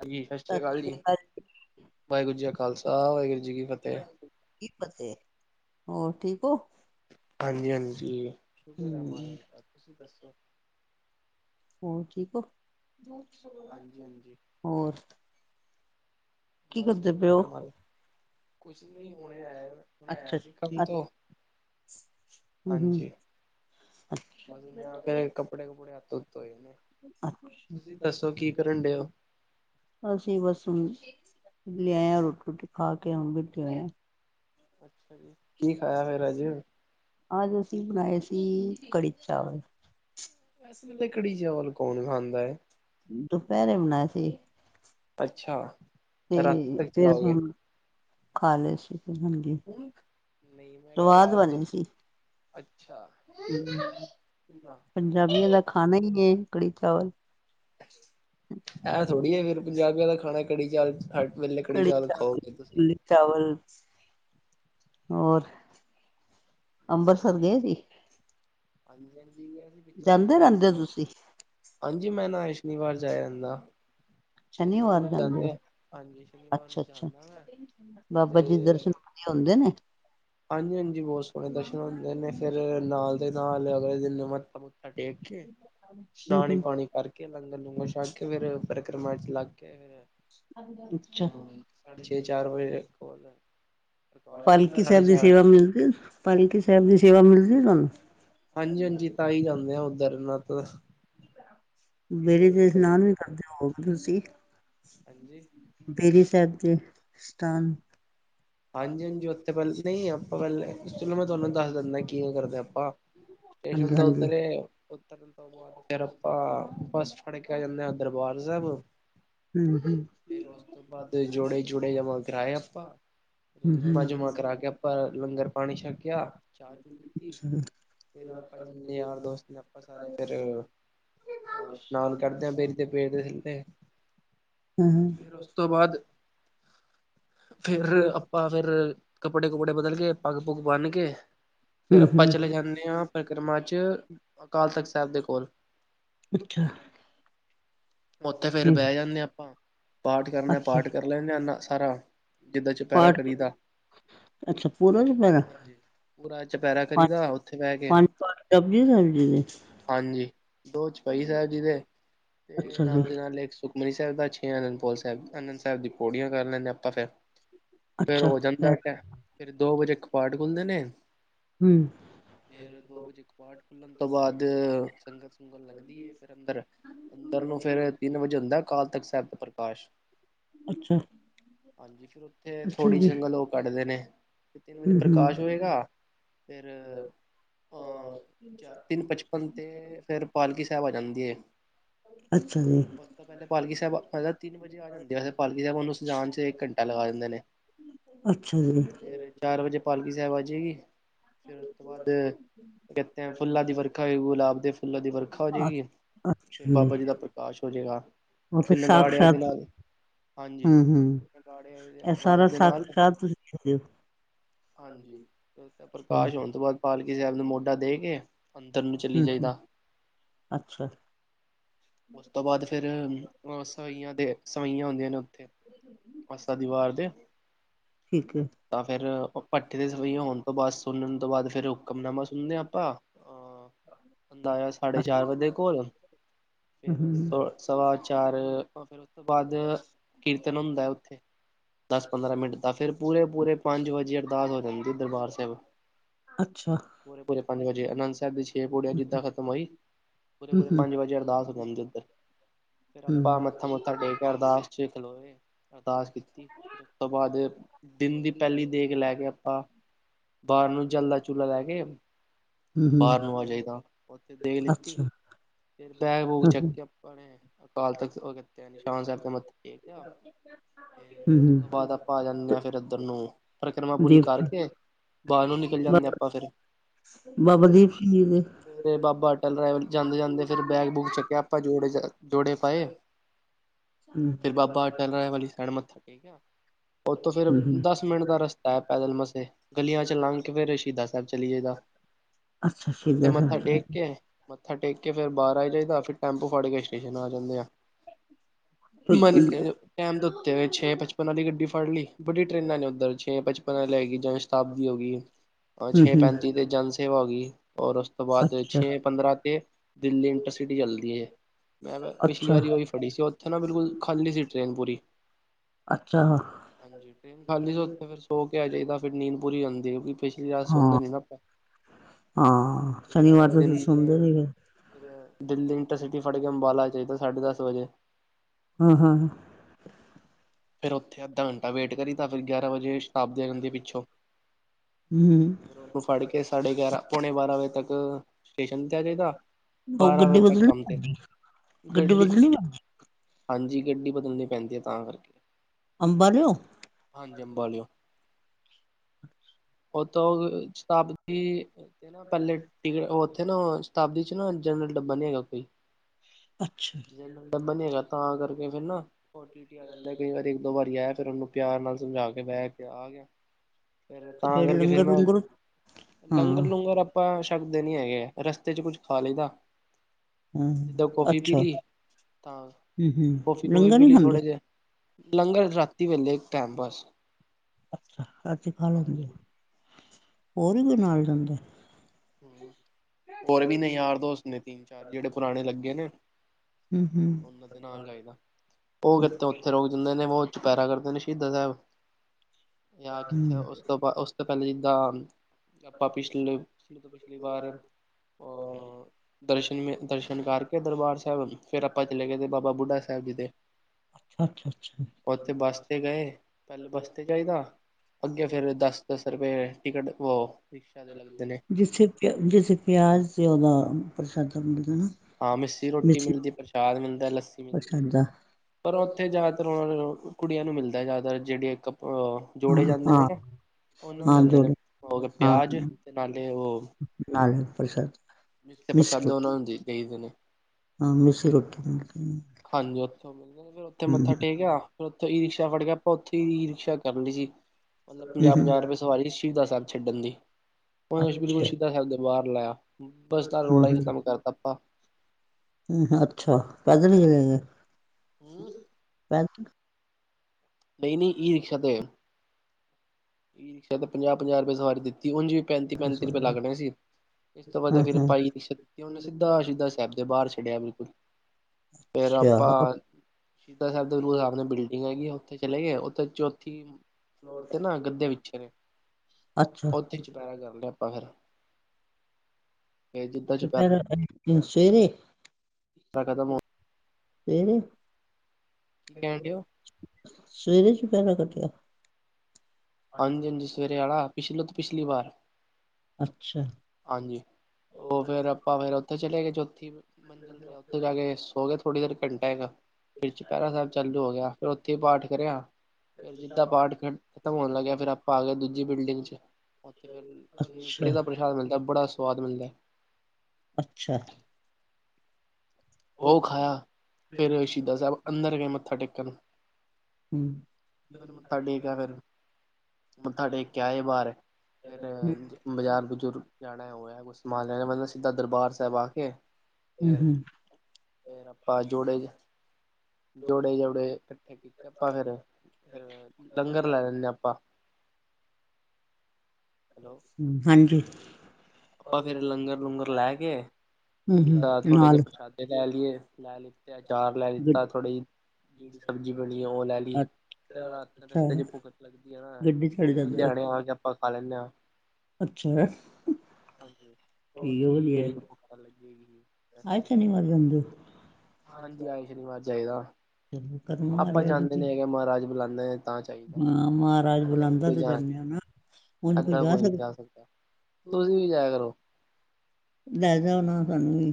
ਹਾਂਜੀ ਸਤਿ ਸ੍ਰੀ ਅਕਾਲ ਜੀ ਵਾਹਿਗੁਰੂ ਜੀ ਕਾ ਖ਼ਾਲਸਾ ਵਾਹਿਗੁਰੂ ਜੀ ਕੀ ਫ਼ਤਿਹ ਜੀ ਫਤਿਹ ਹੋਰ ਠੀਕ ਹੋ ਹਾਂਜੀ ਹਾਂਜੀ ਸ਼ ਮ ਦਾ ਤੁਸੀਂ ਦੱਸੋ ਹੋਰ ਠੀਕ ਹੋ ਹਾਂਜੀ ਹਾਂਜੀ ਹੋਰ ਕੀ ਬਸ ਕਰਦੇ ਸ਼ੁ ਪਏ ਕਰੇ ਹੋ ਮਲ ਕੁਛ ਨਹੀਂੀ ਹੁਣੇ ਆਆ ਹੁਣੇ ਅੱਛਾ ਆਇਆ ਸੀ ਕੰਮ ਅੱਛਾ, ਤੋਂ ਹਾਂਜੀ ਅੱਛਾ ਬੱਸ ਮ ਆ ਕਰੇ ਕਪੜੇ ਕੱਪੜੇ ਆਤ ਤੋਂਏ ਨੇ ਅੱਛ ਤੁਸੀਂ ਦੱਸੋ ਕੀ ਕਰਨ ਡੇ ਹੋ ਅਸੀਂ ਬਸ ਲੈ ਆਇਆ ਰੋਟੀ ਰੋਟੀ ਖਾ ਕੇ ਆੁਂ ਵੀ ਲ ਆਇਆ ਅੱਛਾ ਜੀ ਕੀ ਖਾਇਆ ਫੇਰ ਅੱਜ ਅਜ ਅਸੀਂ ਬਣਾਏ ਸੀ ਕੜੀ ਚਾਵਲ ਇਸ ਵੇਲੇ ਕੜੀ ਚਾਵਲ ਕੌਣ ਖਾਂਦਾ ਹੈ ਦੁਪਹਿਰੇ ਬਣਾਏ ਸੀ ਅੱਛਾ ਤੇ ਰਾਤੀ ਤੱਕ ਫੇਿਰ ਚਲਾਓਗੇ ਹੁਣ ਖਾ ਲਏ ਸੀ ਹਾਂਜੀ ਹੁਣ ਨਹੀਂ ਮੈਂ ਕਹਿ ਸਵਾਦ ਰਿਹਾ ਬਣੇ ਸੀ ਅੱਛਾ ਨਾ ਪੰਜਾਬੀਆਂ ਦਾ ਖਾਣਾ ਹੀ ਹੈ ਕੜੀ ਚਾਵਲ ਐਂ ਥੋੜ੍ਹੀ ਹੈ ਫੇਰ ਪੰਜਾਬੀਆਂ ਦਾ ਖਾਣਾ ਕੜੀ ਜ ਹ ਵੇਲੇ ਲੱਕੜੀ ਕੜੀ ਜਾਲ ਚਾਵਲ, ਖਾਓਗੇ ਤੁਸੀਂ ਹੋਔਰ ਬਸ ਅੰਮ੍ਰਿਤਸਰ ਗਏ ਜੀ ਹਾਂਜੀ ਹਾਂ ਜਾਂਦੇ ਸੀ ਰਹਿੰਦੇ ਹੋ ਤੁਸੀਂ ਹਾਂਜੀ ਮੈਂ ਨਾਰਿਸ਼ਨੀਿਵਾ ਜੈ ਅੰਦਾ ਸ਼ਨੀਵਾਰ ਨੂੰ ਜਾਂਦੇ ਜਾਂਦਾ ਹੋ ਹਾਂਜੀ ਸ਼ਨੀਵਾਰ ਅੱਛਾ ਨੂੰ ਅੱਛਾ ਜਾਂਦਾ ਮੈਂ ਬਾਬਾ ਤੇ ਜੀ ਦੇ ਦਰਸ਼ਨ ਵਧੀਆ ਹੁੰਦੇ ਨੇ ਹਾਂਜੀ-ਹਾਂਜੀ ਬਹੁਤ ਸੋਹਣੇ ਦਰਸ਼ਨ ਹੁੰਦੇ ਨੇ ਫੇਰ ਨਾਲ ਦੇ ਨਾਲ ਅਗਲੇ ਦਿਨ ਟੇਕ ਕੇ ਹੂੰ ਦਾਣੀ ਹੂੰ ਪਾਣੀ ਕਰਕੇ ਲੰਗਰ ਲੂੰਗਰ ਛਾ ਕੇ ਫੇਰ ਪਰਿਕਰਮਾ ਚ ਲੱਗ ਗਿਆ ਫਿਰ ਅੱਛਾ ਸਾਢੇ ਛੇ ਚਾਰ ਵਜੇ ਕੋਲ ਪ੍ਰਕਾਸ਼ ਹੁੰਦਾ ਪਾਲਕੀ ਸਾਢੇ ਸਾਹਿਬ ਦੀ ਚਾਰ ਸੇਵਾ ਮਿਲਦੀ ਪਾਲਕੀ ਸਾਹਿਬ ਦੀ ਸੇਵਾ ਮਿਲਦੀ ਤੁਹਾਨੂੰ ਹਾਂਜੀ-ਹਾਂਜੀ ਤਾਂ ਹੀ ਜਾਂਦੇ ਆ ਉੱਧਰ ਨਾਤ ਬੇਰੀ ਤੇ ਇਸ਼ਨਾਨ ਵੀ ਕਰਦੇ ਹੋਗੇ ਤੁਸੀਂ ਹਾਂਜੀ। ਬੇਰੀ ਸਾਹਿਬ ਜੇ ਸਤਾਨ ਹਾਂਜੀ-ਹਾਂਜੀ ਉੱਥੇ ਪਹਿਲੇ ਨਹੀਂ ਆਪਾਂ ਪਹਿਲਾਂ ਇਸ ਤੋਂ ਮੈਂ ਤੁਹਾਨੂੰ ਦੱਸ ਦਿੰਦਾ ਕਿਵੇਂ ਕਰਦੇ ਆਪਾਂ ਹਾਂਜੀ ਸਟੇਸ਼ਨ ਤੋਂ ਹਾਂਜੀ ਉਤਰੇ ਉਤਰਨ ਤੋਂ ਬਾਅਦ ਫੇਰ ਆਪਾਂ ਬੱਸ ਫੜਕੇ ਜਾਂਦੇ ਆ ਦਰਬਾਰ ਸਾਹਿਬ ਹੂੰ ਫੇਰ ਉਸ ਤੋਂ ਬਾਅਦ ਜੋੜੇ-ਜੋੜੇ ਜਮਾਂ ਕਰਾਏ ਆਪਾਂ ਹੂੰ ਹੂੰ ਜਮਾ ਹੂੰ। ਜੁਮਾ ਕਰਾ ਕੇ ਆਪਾਂ ਲੰਗਰ ਪਾਣੀ ਛਕਿਆ ਚਾਹ ਚੂ ਪੀਤੀ ਅੱਛਾ ਫਿਰ ਆਪਾਂ ਜਿੰਨੇ ਯਾਰ ਦੋਸਤ ਨੇ ਆਪਾਂ ਸਾਰੇ ਫਿਰ। ਹਾ ਇਸ਼ਨਾਨ ਕਰਦੇਆਂ ਬੇਰੀ ਦੇ ਪੇਡ ਦੇ ਥੱਲੇ ਹੂੰ ਫਿਰ ਉਸ ਤੋਂ ਬਾਅਦ ਫਿਰ ਫੇਰ ਕੱਪੜੇ ਕੁਪੜੇ ਬਦਲ ਕੇ ਪੱਗ ਪੁਗ ਬਾਂਨ ਕੇ ਫਿਰ ਹੂੰ ਆਪਾਂ ਹੂੰ ਚਲੇ ਜਾਂਦੇ ਹਾਂ ਪਰਿਕਰਮਾ ਚ ਅਕਾਲ ਤਖ਼ਤ ਸਾਹਿਬ ਦੇ ਕੋਲ ਅੱਛਾ ਉੱਥੇ ਫੇਰ ਬਹਿ ਜਾਂਦੇ ਹਾਂ ਆਪਾਂ ਪਾਠ ਕਰਨਾ ਅੱਛਾ ਪਾਠ ਕਰ ਲੈਂਦੇ ਹਾਂਨਾ ਸਾਰਾ ਜਿੱਦਾਂ ਚੁਪਹਿਰਾ ਪਾਠ ਕਰੀ ਦਾ ਅੱਛਾ ਪੂਰਾ ਲਿਖਣਾ ਹਾਂਜੀ, ਪੂਰਾ ਚੁਪਹਿਰਾ ਕਰੀਦਾ ਉੱਥੇ ਬਹਿ ਕੇ ਪਾਠ ਜਪਜੀ ਸਾਹਿਬ ਜੀ ਦੇ ਹਾਂਜੀ ਦੋ ਚੌਪਈ ਸਾਹਿਬ ਜੀ ਦੇ ਤੇ ਅੱਛਾ ਜੀ ਨਾਲ ਦੀ ਨਾਲ ਇੱਕ ਮਨੀ ਸਾਹਿਬ ਦਾ ਛੇ ਆਨੰਦਪੁਰ ਸਾਹਿਬ ਆਨੰਦ ਸਾਹਿਬ ਦੀ ਪੌੜੀਆਂ ਕਰ ਲੈਂਣੇ ਆਪਾਂ ਫਿਰ ਫੇਰ ਅੱਛਾ ਹੋ ਜਾਂਦਾ ਫਿਰ ਦੋ ਵਜੇ ਕਪਾਟ ਖੁੱਲਦੇ ਨੇ ਹੂੰ ਫਿਰ ਦੋ ਵਜੇ ਕ ਪਾਠ ਖੁੱਲਣ ਤੋਂ ਬਾਅਦ ਸੰੰਗਤ ਸੁੰਗਤ ਲੰਘਦੀ ਹੈ ਫੇਰ ਅੰਦਰ-ਅੰਦਰ ਨੂੰ ਫੇਰ ਤਿੰਨ ਵਜੇ ਹੁੰਦਾ ਅਕਾਲ ਤਖ਼ਤ ਸਾਹਿਬ ਦਾ ਪ੍ਰਕਾਸ਼ ਅੱਛਾ ਹਾਂਜੀ ਫਿਰ ਉੱਥੇ ਅੱਛਾ ਥੋੜ੍ਹੀ ਜੀ ਜੰਗਾ ਉਹ ਕੱਢਦੇ ਨੇ ਤਿੰਨ ਵਜੇ ਹੂੰ ਪ੍ਰਕਾਸ਼ ਹੂੰ ਹੋਏਗਾ ਫਿਰ। ਅਹ ਚਾਰ ਤਿੰਨ ਪਚਪਨ ਤੇ ਫਿਰ ਪਾਲਕੀ ਸਾਹਿਬ ਆ ਜਾਂਦੀ ਹੈ ਅੱਛਾ ਜੀ ਉਸ ਤੋਂ ਪਹਿਲਾਂ ਪਾਲਕੀ ਸਾਹਿਬ ਮਤਲਬ ਤਿੰਨ ਵਜੇ ਆ ਜਾਂਦੇ ਆ ਪਾਲਕੀ ਸਾਹਿਬ ਉਹਨੂੰ ਸਜਾ ਚ ਇਕ ਘੰਟਾ ਲਗਾ ਦਿੰਦੇ ਨੇ ਅੱਛਾ ਜੀ ਫੇਰ ਚਾਰ ਵਜੇ ਪਾਲਕੀ ਸਾਹਿਬ ਆ ਜਾਏਗੀ ਫਿਰ ਉਸ ਤੋਂ ਬਾਅਦ ਕਿਤੇ ਫੁੱਲਾਂ ਦੀ ਵਰਖਾ ਹੋਏਗੀ ਗੁਲਾਬ ਦੇ ਫੁੱਲਾਂ ਦੀ ਵਰਖਾ ਹੋ ਅ ਜਾਏਗੀ ਫੇਰ ਬਾਬਾ ਜੀ ਦਾ ਪ੍ਰਕਾਸ਼ ਹੋ ਜਏਗਾ ਉਹ ਤਾਂ ਤੇ ਨਗਾੜਿਆ ਦੇ ਸਾਕਸ਼ਾਤ ਨਾਲ ਹਾਂਜੀ ਹੂੰ ਹੂੰ ਨਗਾੜੇ ਆ ਜਦੇ ਆ ਇਹ ਸਾਰਾ ਹਿਸਾਬ ਕਿਤਾਬ ਤੁਸੀਂ ਕਰਦੇ ਹੋ ਹਾਂਜੀ ਅੱਛਾ, ਪ੍ਰਕਾਸ਼ ਹੋਣ ਤੋਂ ਬਾਅਦ ਪਾਲਕੀ ਸਾਹਿਬ ਨੂੰ ਮੋਢਾ ਦੇ ਕੇ ਅੰਦਰ ਨੂੰ ਚੱਲੀ ਹੂੰ ਹੂੰ ਜਾਈਦਾ ਅੱਛਾ ਉਸ ਤੋਂ ਬਾਅਦ ਫਿਰ ਅ ਸਵਈਆਂ ਦੇ ਸਵਈਆਂ ਹੁੰਦੀਆਂ ਨੇ ਉੱਥੇ ਪਾਸਾ ਦੀਵਾਰ ਦੇ ਠੀਕ ਹੈ ਤਾਂ ਫੇਰ ਭੱਠੇ ਦੇ ਸਵਾਇਆ ਹੋਣ ਤੋਂ ਬਾਅਦ ਸੁਣਨ ਤੋਂ ਬਾਅਦ ਫਿਰ ਹੁਕਮਨਾਮਾ ਸੁਣਦੇ ਹਾਂ ਆਪਾਂ ਅਹ ਅੰਦਾਜਾ ਆ ਸਾਢੇ ਚਾਰ ਵਜੇ ਕੋਲ ਹੂੰ ਫਿਰ ਸੋ ਹੂੰ, ਸਵਾ ਚਾਰ ਫਿਰ ਉਸ ਤੋਂ ਬਾਅਦ ਕੀਰਤਨ ਹੁੰਦਾ ਹੈ ਉੱਥੇ ਦਸ ਪੰਦਰਾਂ ਮਿੰਟ ਦਾ ਫਿਰ ਪੂਰੇ-ਪੂਰੇ ਪੰਜ ਵਜੇ ਅਰਦਾਸ ਹੋ ਜਾਂਦੀ ਦਰਬਾਰ ਸਾਹਿਬ ਅੱਛਾ ਪੂਰੇ-ਪੂਰੇ ਪੰਜ ਵਜੇ ਅਨੰਦ ਸਾਹਿਬ ਦੇ ਛੇ ਪੜੀਆਂ ਜਿੱਦਾਂ ਖਤਮ ਹੋਈ ਪੂਰੇ ਹੂੰ ਪੂਰੇ ਹੂੰ ਪੰਜ ਵਜੇ ਅਰਦਾਸ ਧ ਫੇਰ ਹੂੰ ਆਪਾਂ ਮੱਥਾ ਮੱਥਾ ਟੇਕ ਕੇ ਅਰਦਾਸ ਚ ਖਲੋਏ ਅਰਦਾਸ ਕੀਤੀ ਫਿਰ ਉਸ ਤੋਂ ਬਾਅਦ ਦਿਨ ਦੀ ਪਹਿਲੀ ਦੇਖ ਲੈ ਕੇ ਆਪਾਂ ਬਾਹਰ ਨੂੰ ਜਲਦਾ ਚੁਲਾ ਲੈ ਕੇ ਹੂੰ ਬਾਹਰ ਨੂੰ ਆ ਹੂੰ ਜਾਈਦਾ ਉੱਥੇ ਦੇਖ ਲਿੱਤੀ ਅੱਛਾ ਫਿਰ ਬੈਗ ਬੂਗ ਹੂੰ ਚੱਕ ਹੂੰ ਕੇ ਆਪਣੇ ਕਾਲ ਤੱਕ ਉਹਤੇ ਸ਼ਾਮ ਮੱਥੇ ਟੇਕ ਤੇ ਹੂੰ ਉਸ ਤੋਂ ਬਾਅਦ ਹੂੰ ਆਪਾਂ ਆ ਜਾਂਦੇ ਹਾਂ ਫਿਰ ਇੱਧਰ ਨੂੰ ਪਰਿਕਰਮਾ ਪੂਰੀ ਦੀਪ ਕਰਕੇ ਬਾਹਰ ਨੂੰ ਜੀ, ਨਿਕਲ ਜਾਂਦੇ ਆਪਾਂ ਫਿਰ ਬਾਬਾ ਫਿਰ ਦੀਪ ਸਿੰਘ ਜੀ ਦੇ ਫ ਬਾਬਾ ਅਟਲਲ ਜਾਂਦੇ ਜਾਂਦੇ ਫਿਰ ਬੈਗ ਬੂਗ ਚੱਕ ਆਪਾਂ ਜੋੜੇ ਜਾ ਜੋੜੇ ਪਾਏ ਹੂੰ ਫਿਰ ਬਾਬਾ ਅਟਲ ਰਾਏ ਵਾਲੀ ਸੈਣ ਮੱਥਾ ਠੀਕ ਆ ਉਥੋਂ ਫਿਰ ਹੂੰ ਦਸ ਮਿੰਟ ਦਾ ਹੂੰ, ਰਸਤਾ ਹੈ ਪੈਦਲ ਮਸੇ ਗਲੀਆਂ ਚ ਲੰਘ ਕੇ ਫਿਰ ਸ਼ਹੀਦ ਸਾਹਿਬ ਚਲੀ ਜਾਏਦਾ ਅੱਛਾ ਉੱਥੇ ਸ਼ੀਲਾ ਮੱਥਾ ਸੈਂਟਰ ਟੇਕ ਕੇ ੱਥਾ ਟੇਕ ਕੇ ਫਰ ਬਾਹਰ ਆਈ ਜਾਈਦਾ ਫਿਰ ਟੈਂਪੂ ਫੜ ਕੇ ਸਟੇਸ਼ਨ ਆ ਜਾਂਦੇ ਆ ਮਨ ਹੂੰ-ਹੂੰ ਟੈਮ ਦ ਉੱਤੇ ਹੋਏ ਛੇ ਪਚਪਨ ਵਾਲੀ ਗੱਡੀ ਫੜ ਲਈ ਵੱੜੀ ਟਰੇਨਾਂ ਨੇ ਉੱਧਰ ਛੇ ਪਚਪਨ ਲੈ ਗਈ ਜੰਨ ਸ਼ਤਾਬਦੀ ਹੋ ਗਈ ਛੇ ਪੈਂਤੀ ਤੇ ਜਨ ਸੇਵਾ ਹੋ ਗਈ ਔਰ ਉਸ ਤੋਂ ਬਾਅਦ ਅੱਛਾ, ਛੇ ਪੰਦਰਾਂ ਤੇ ਦਿੱਲੀ ਇੰਟਰਸਿਟੀ ਚੱਲਦੀ ਮੈਂ ਪਿਛਲੀ ਅੱਛਾ, ਵਾਰੀ ਉਹਾਰੀ ਫੜੀ ਸੀ ਉੱਥੇ ਨਾ ਬਿਲਕੁਲ ਖੱਲੀ ਸੀ ਟ੍ਰੇਨ ਪੂਰੀ ਅੱਛਾ ਹਾਂਜੀ ਟ੍ਰੇਨ ਖਾਲੀ ਸੀ ਉਥੇ ਫਿਰ ਸੋ ਕੇ ਆ ਜਾਈਦਾ ਫਿਰ ਨੀਂਦਪੁਰੀ ਹੁੰਦੀ ਜਾਂਦੀ। ਪਿਛਲੀ ਰਾਤ ਸੌਂਦੇ ਹਾਂ। ਨੀ ਨਾ ਆਪਾਂ। ਹਾਂ ਫਿਰ ਸ਼ਨੀਵਾਰ ਅਗਲੇ ਤਾਂ ਤੁਸੀਂ ਦਿਨ ਸੌਦੇ ਨੀਗੇ। ਫਿਰ ਸਿੱਧੀ ਫੜ ਕੇ ਅੰਬਾਲਾ ਜਾਈ ਦਾ ਸਾਢੇ ਦਸ ਵਜੇ। ਹਾਂ ਹਾਂ ਫੇਰ ਉੱਥੇ ਅੱਧਾ ਘੰਟਾ ਵੇਟ ਕਰੀ ਦਾ ਫਿਰ ਗਿਆਰਾਂ ਵਜੇ ਸ਼ਤਾਬਦੀ ਆ ਜਾਂਦੀ ਪਿੱਛੋਂ। ਹੂੰ ਅਤੇ ਸਾਢੇ ਗਿਆਰਾਂ ਪੌਣੇ ਬਾਰਾਂ ਵਜੇ ਤੱਕ ਸਟੇਸ਼ਨ ਤੇ ਆ ਜਾਈ ਦਾ ਉਹ ਬਾਰਾਂ ਗੱਡੀ ਵਜੇ ਤੱਕ ਬਦਲਣੀ ਕੰਮ ਤੇ। ਪੈਂਦੀ ਗੱਡੀ ਬਦਲੀ ਨੀ? ਹਾਂਜੀ ਗੱਡੀ ਬਦਲਣੀ ਪੈਂਦੀ ਹੈ। ਤਾਂ ਕਰਕੇ ਅੰਬਾ ਲਿਓ ਹਾਂਜੀ ਅੰਬਾਲਿਓ। ਉਥੋਂ ਸ਼ਤਾਬਦੀ ਨਾ ਪਹਿਲੇ ਟਿਕਟ ਉੱਥੇ ਨਾ ਸ਼ਤਾਬਦੀ ਚ ਨਾ ਜਨਰਲ ਡੱਬਾ ਨੀ ਹੈਗਾ ਕੋਈ। ਅੱਛਾ ਜੇ ਮ ਡੱਬ ਨ ਹੈਗਾ ਤਾਂ ਕਰਕੇ ਫੇਰ ਨਾ ਓ ਟੀ ਟੀ ਜਾਂਦਾ। ਕਈ ਵਾਰੀ ਇੱਕ ਦੋ ਵਾਰੀ ਆਇਆ ਫਿਰ ਉਹਨੂੰ ਪਿਆਰ ਨਾਲ ਸਮਝਾ ਕੇ ਬਹਿ ਗਿਆ ਆ ਗਿਆ ਫਿਰ ਤੇ ਤਾਂ ਕਰਕੇ ਫੇਰ ਲੰਗਰ ਮੈਂ ਲੂੰਗਰ ਹਾਂ ਲੰਗਰ-ਲੂੰਗਰ ਆਪਾਂ ਸ਼ੱਕਦੇ ਨੀ ਹੈਗੇ ਰਸਤੇ ਚ ਕੁੱਛ ਖਾ ਲਈਦਾ ਹਾਂ ਜਿੱਦਾਂ ਕੌਫੀ ਪੀ ਅੱਛਾ ਲਈ ਤਾਂ ਹੂੰ-ਹੂੰ ਕਫੀ ਕਫੀ ਲੰਗਰ ਪੀ ਨੀ ਲਈ ਖਾਂਦੇ ਥੋੜੇ ਜਿਹੇ ਲੰਗਰ ਰਾਤੀ ਵੇਲੇ ਇੱਕ ਟਾਈਮ ਬਸ ਅੱਛਾ ਰਾਤੀ ਖਾ ਲੈਂਦੇ ਹਾਂਜੀ ਆ ਹੋਰ ਵੀ ਕੋਈ ਨਾਲ ਜਾਂਦਾ। ਹੋਰ ਵੀ ਨੇ ਯਾਰ ਦੋਸਤ ਨੇ ਤਿੰਨ-ਚਾਰ ਜਿਹੜੇ ਪੁਰਾਣੇ ਲੱਗੇ ਨੇ। ਹੂੰ-ਹੂੰ ਉਹਨਾਂ ਦੇ ਨਾਲ ਗਈਦਾ ਭੋ ਕਿਤੇ ਉੱਥੇ ਰੁਕ ਜਾਂਦੇ ਨੇ ਓਹ ਚੁਪੈਰਾ ਕਰਦੇ ਨੇ। ਕਿਦਾਂ ਸਾਹਿਬ ਜਾਂ ਕਿੱਥੇ ਹੂੰ ਉਸ ਤੋਂ ਬਾ ਉਸ ਤੋਂ ਪਹਿਲਾਂ ਜਿੱਦਾਂ ਆਪਾਂ ਪਿਛਲੇ ਪਿਛਲ ਤੋਂ ਪਿਛਲੀ ਵਾਰ ਅ ਦਰਸ਼ਨ ਦਰਸ਼ਨ ਕਰਕੇ ਦਰਬਾਰ ਸਾਹਿਬ ਫੇਰ ਆਪਾਂ ਚਲੇ ਗਏ ਤੇ ਬਾਬਾ ਬੁੱਢਾ ਸਾਹਿਬ ਦੇ [inaudible] ਅੱਛਾ-ਅੱਛਾ! ਉੱਥੇ ਬੱਸ ਤੇ ਗਏ ਪਹਿਲੇ ਬੱਸ ਤੇ ਜਾਈ ਦਾ। ਅੱਗੇ ਫੇਰ ਦਸ-ਦਸ ਰੁਪਏ ਟਿਕਟ ਵ ਰਿਕਸ਼ਾ ਦੇ ਲੱਗਦੇ ਨੇ। ਜਸੇ ਪਿਆਜ ਤੇ ਔਦਾ ਪ੍ਰਸ਼ਾਦਾ ਹੁੰਦਾ ਹਾਂ ਮਿੱਸੀ ਰੋਟੀ ਮਿਲਦੀ ਪਰਸ਼ ਸਲਾਦ ਮਿਲਦਾ ਲੱਸੀ ਮਿਲਦੀ ਐ। ਪ੍ਰਸ਼ਾਦ ਪਰ ਔਥੇ ਜ਼ਿਆਦਾਤਰ ਔਨਾ ਨੇ ਕੁੜੀਆਂ ਨੂੰ ਮਿਲਦਾ ਜ਼ਿਆਦਾ। ਜਿਹੜਿਆਂ ਇੱਕ ਪ ਜੋੜੇ ਹਾਂ ਜਾਂਦੇ ਨੇ ਹਾਂ ਨਾ। ਔਨਾਂ ਨੂੰ ਹਾਂ ਦਿੰਦੇ ਨੇ ਜੋੜ ਹੋ ਕੇ ਹਾਂ ਪਿਆਜ ਤੇ ਨਾਲੇ ਔ। ਨਾਲ ਪ੍ਰਸ਼ਾਦ ਮਿਸਾ ਮਿਸਰੀ ਪ੍ਰਸ਼ਾਦਾ ਰੋਟੀ ਔਨਾਂ ਨੂੰ ਦੇਈਦੇ ਨੇ। ਹਾਂ ਮਿਸੀ ਰੋਟੀ ਹਾਂਜੀ ਔਥੋਂ ਓ ਮਿਲਦੇ ਨੇ। ਫੇਰ ਔਥੇ ਮੱਥਾ ਟੇਕਿਆ ਫੇਰ ਔਥੇ ਈ ਰਿਕਸ਼ਾ ਫੜਕੇ ਆਪਾਂ ਔਥੇ ਹੀ ਈ ਰਿਕਸ਼ਾ ਕਰ ਲਈ ਸੀ। ਮਤਲਬ ਪੰਜਾਹ ਹਮ ਪੰਜਾਹ ਰੁਪਏ ਸਵਾਰੀ ਸ਼ਹੀਦਾਂ ਸਾਬ ਛੱਡਣ ਦੀ। ਔਣਾ ਨੂੰ ਬਿਲਕੁਲ ਅੱਛਾ ਸੀ਼ਦਾਂ ਸਾਹਿਬ ਦੇ ਬਾਰ ਲਾਇਆ ਬਸ ਤਾਂ ਰੌਲਾ ਹੀ ਖ਼ਤਮ ਹਮ ਕਰਤਾ ਆਪਾ। ਅੱਛਾ, ਪੈਦਲ ਈ ਚਲੇ ਗਏ। ਨਈ ਨਈ ਈ ਰਿਕਸ਼ਾ ਤੇ। ਈ ਰਿਕਸ਼ਾ ਤੇ ਪੰਜਾਹ ਪੰਜਾਹ ਰੁਪਏ ਸਵਾਰੀ ਦਿੱਤੀ ਉਂਝ ਵੀ ਪੈਂਤੀ ਪੈਂਤੀ ਰੁਪਏ ਪੈਦਲ ਲੱਗਣੇ ਸੀ। ਏਸ ਤੋਂ ਬਾਦ ਹਾਂ ਫਿਰ ਹਾਂ ਆਪਾ ਈ ਰਿਕਸ਼ਾ ਕੀਤੀ, ਓਨੇ ਸਿੱਧਾ ਸਿੱਧਾ ਸਾਹਿਬ ਦੇ ਬਾਰ ਛੱਡਿਆ ਬਿਲਕੁਲ। ਫੇਰ ਅੱਛਾ ਆਪਾਂ ਸ਼ਹੀਦਾਂ ਸਾਹਿਬ ਦੇ ਰੂ ਸਾਮਨੇ ਬਿਲਡਿੰਗ ਹੈਗੀ ਆ। ਔਥੇ ਚਲੇ ਗਏ ਔਥੇ ਚੌਥੀ ਫਲੋਰ ਤੇ ਨਾ ਗੱਧੇ ਵਿਛੇ ਨੇ। ਅੱਛਾ ਔਥੇ ਚੁਪੈਰਾ ਕਰ ਲਿਆ ਆਪਾਂ ਫੇਰ। ਚੁਪਹਿਰਾ ਸਵੇਰੇ! ਖਤਮ ਹੋ ਫੇਰ ਕੀ ਕਹਿਣ ਡਏ ਓ ਸਵੇਰੇ ਚਪੈਰਾ ਕਟ ਹਾਂਜੀ ਹਾਂਜੀ ਸਵੇਰੇ ਆੜਾ ਪਿਛਲੇ ਤੋਂ ਪਿਛਲੀ ਵਾਰ। [unintelligible] ਹਾਂਜੀ ਓ ਫੇਰ ਆਪਾਂ ਫੇਰ ਔਥੇ ਚਲੇ ਗਏ ਚੌਥੀ ਮੰਜ਼ਿਲ ਤੇ ਔਥੇ ਜਾ ਕੇ ਸੋ ਗੇ ਥੋੜ੍ਹੀ ਦੇਰ ਘੰਟਾ ਏਕ। ਫਿਰ ਚੁਪਹਿਰਾ ਸਾਹਿਬ ਚਾਲੂ ਹੋ ਗਿਆ ਫੇਰ ਔਥੇ ਈ ਪਾਠ ਕਰਿਆ। ਫੇਰ ਜਿੱਦਾਂ ਪਾਠ ਖ ਖ਼ਤਮ ਹੋਣ ਲੱਗਿਆ ਫਿਰ ਆਪਾਂ ਆਗੇ ਦੂਜੀ ਬਿਲਡਿੰਗ ਚ। ਔਥੇ ਫੇਰ ਨਿਊਟਰੀ ਅੱਛਾ ਦਾ ਪਰ ਬੜਾ ਸਵਾਦ ਮਿਲਦਾ ਐ। ਅੱਛਾ। ਓ ਖਾਇਆ ਫੇਰ ਸ਼ਹੀਦਾਂ ਸਾਹਿਬ ਅੰਦਰ ਗਏ ਮੱਥਾ ਟੇਕਣ। ਹਮ ਮੈਨੂੰ ਮੱਥਾ ਟੇਕਿਆ ਫੇਰ। ਮੱਥਾ ਟੇਕ ਕੇ ਆਏ ਬਾਰ ਫੇਰ ਬਜ਼ਾਰ ਬਜ਼ੂਰ ਜਾਣ ਮੈਂ ਹੋਇਆ ਕੁਛ ਸਮਾਨ ਲੈਣਾ ਬ ਮੈਂ ਸਿੱਧਾ ਦਰਬਾਰ ਸਾਹਿਬ ਆ ਕੇ ਹਮ ਫੇਰ ਹਮ ਫੇਰ ਆਪਾਂ ਜੋੜੇ ਜੋੜੇ ਜੋੜੇ ਕੱਠੇ ਕੀਤੇ ਆਪਾਂ ਫੇਰ, ਫੇਰ ਲੰਗਰ ਲੈ ਲੇ ਆਪਾਂ। ਹੈਲੋ ਹਾਂਜੀ। ਆਪਾਂ ਫੇਰ ਲੰਗਰ ਲੂੰਗਰ ਲੈ ਕੇ ਹਮ ਜਿੱਦਾਂ ਹਮ ਥੋੜੇ ਜਿਹੇ ਨਾਲ ਪ੍ਰਸ਼ਾਦੇ ਲੈ ਲੈ ਲਈਏ ਲੈ ਲਿੱਤੇ ਅਚਾਰ ਲੈ ਲਿੱਤਾ ਥੋੜੀ ਜਿਹੜੀ ਸਬਜ਼ੀ ਬਣੀ ਐ ਓ ਲੈ ਲੀ। ਤੇ ਰਾਤ ਅੱਛਾ ਰਸਤੇ ਚ ਭੁਖ ਲੱਗਦੀ ਐ ਨਾ ਗੱਡੀ ਚੜ ਜਾਂਦੇ ਹੋ ਲੁਦਿਆਣੇਓ ਆ ਕੇ ਆਪਾਂ ਖਾ ਲੈਂਨੇ ਆਂ। ਅੱਛਾ। ਹਾਂਜੀ ਹਾਂਜੀ। ਹੋਰ ਠੀਕ ਹੈ, ਕੀ ਵਧੀਆ ਕਰੀਏ ਭੁਖ ਤਾ ਲੱਗੇਗੀ ਆਏ ਰਸਤੇ ਚ। ਸ਼ਨੀਵਾਰ ਜਾਂਦੇ ਹੋ ਹਾਂਜੀ ਆਏ ਸ਼ਨੀਵਾਰ ਜਾਈਦਾ। ਚਲੋ ਕਰਮਾਂ ਆਪਾਂ ਵਾਲੇ ਹੋ ਜਾਂਦੇ ਤੁਸੀਂ ਨੀ ਹੈਗੇ ਮਹਾਰਾਜ ਬੁਲਾਉਂਦੇ ਨ। ਤਾਂ ਜਾਈਦਾ ਹਾਂ ਮਹਾਰਾਜ ਐਦਾਂ ਤੇ ਬੁਲਾਉਂਦਾ ਕੋਈ ਜਾ ਜਾਂਦੇ ਆ ਨਾ ਏਦਾਂ ਕੋਈ ਨੀ ਜਾ ਸਕਦਾ। ਤੁਸੀਂ ਵੀ ਜਾਇ ਕਰੋ। ਲੈ ਜਾਓ ਨਾ ਸਾਨੂੰ ਵੀ।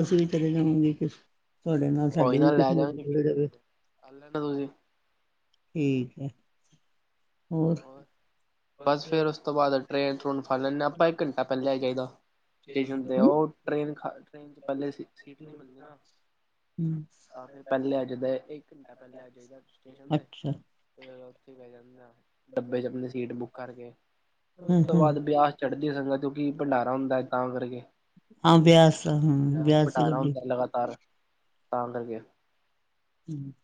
ਅਸੀਂ ਵੀ ਚਲੇ ਜਾਵਾਂਗੇ ਕੁ ਤੁਹਾਡੇ ਨਾਲ ਸਾਡੀ ਕੋਈ ਵੀ ਨਾ ਲੈ ਕਿਸਮਤ ਜਾਗੇ ਜੁੜੀ ਰਵੇ। ਕਰ ਲੈਣਾ ਤੁਸੀਂ ਠੀਕ ਐ। ਹੋਰ। ਬਸ ਫੇਰ ਓਸ ਤੋਂ ਬਾਅਦ ਟ੍ਰੇਨ ਟਰੂਨ ਫੜ ਲੈਂਨੇ ਆਂ ਆਪਾਂ ਇੱਕ ਘੰਟਾ ਪਹਿਲਾਂ ਆ ਜਾਈ ਦਾ। ਸਟੇਸ਼ਨ ਤੇ ਹਮ ਔ ਟ੍ਰੇਨ ਖ ਟ੍ਰੇਨ ਚ ਪਹਿਲੇ ਸੀ ਸੀਟ ਨਈ ਮਿਲਦੀ ਨਾ। ਆ ਫੇਰ ਪਹਿਲੇ ਆ ਜੀਦਾ ਇੱਕ ਘੰਟਾ ਪਹਿਲੇ ਆ ਜਾਈਦਾ ਸਟੇਸ਼ਨ ਤੇ। [inaudible] ਅੱਛਾ ਡੱਬੇ ਚ ਆਪਣੀ ਸੀਟ ਬੁੱਕ ਕਰਕੇ ਉਸ ਹਮ ਤੋਂ ਹਮ ਬਾਅਦ ਵਿਆਸ ਚੜਦੀ ਸੰਗਤ ਕਿਉਂਕਿ ਕੀ ਭੰਡਾਰਾ ਹੁੰਦਾ ਤਾਂ ਕਰਕੇ ਹਾਂ ਬਿਆਸ ਆ ਹਮ ਵਿਿਆਸ ਦੀ ਗੱਡੀ ਤਾ ਅੰਦਰ ਗਿਆ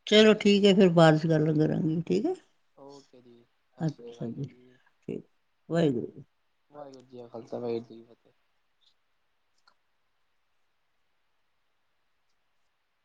ਚਲੋ ਠੀਕ ਹੈ ਫੇਰ ਬਾਅਦ ਚ ਗੱਲ ਕਰਾਂ ਗੀ ਠੀਕ ਹੈ। ਓਕੇ ਜੀ ਸਤਿ ਸ੍ਰੀ ਅਕਾਲ ਜੀ। ਠੀਕ ਵਾਹਿਗੁਰੂ ਵਾਹਿਗੁਰੂ ਜੀ ਕਾ ਖ਼ਾਲਸਾ ਵਾਹਿਗੁਰੂ ਜੀ ਕੀ ਫ਼ਤਿਹ